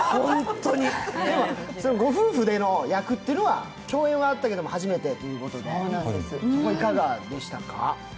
ご夫婦での役は、共演はあったけれども初めてということで、いかがでしたか？